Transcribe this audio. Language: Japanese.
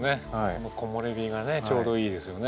この木漏れ日がねちょうどいいですよね。